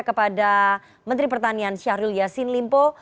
kepada menteri pertanian syahrul yassin limpo